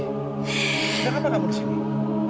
sudah kapan kamu disini